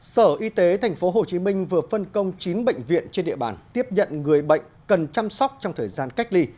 sở y tế tp hcm vừa phân công chín bệnh viện trên địa bàn tiếp nhận người bệnh cần chăm sóc trong thời gian cách ly